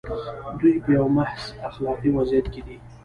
دوی په یوه محض اخلاقي وضعیت کې دي.